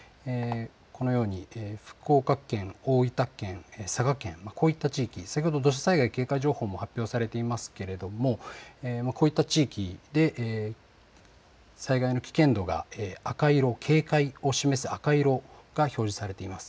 このように福岡県、大分県、佐賀県、こういった地域、先ほど土砂災害警戒情報も発表されていますけれどもこういった地域で災害の危険度が赤色、警戒を示す赤色が表示されています。